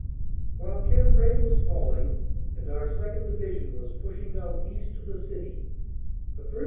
While Cambrai was falling and our 2nd. Division was pushing out east of the city, the 1st.